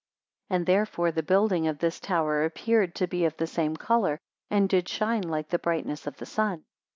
168 And therefore the building of this tower appeared to be of the same colour, and did shine like the brightness of the sun.